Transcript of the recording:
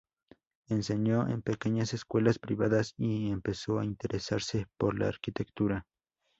Enseñó en pequeñas escuelas privadas y empezó a interesarse por la arquitectura.